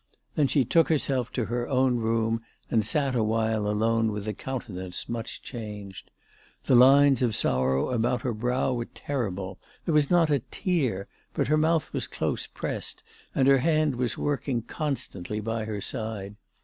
Then she took herself to her own room, and sat awhile alone with a countenance much changed.. The lines of sorrow about her brow were terrible. There was not a tear ; but her mouth was close pressed, and her hand was working constantly by her side.